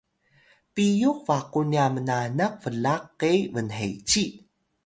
piyux baqun nya mnanak blaq ke bnheci